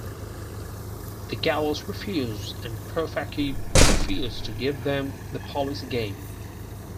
The Gallos refused and Profaci refused to give them the policy game.